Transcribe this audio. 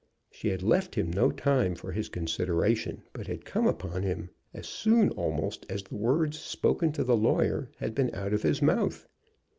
She had left him no time for consideration, but had come upon him as soon almost as the words spoken to the lawyer had been out of his mouth.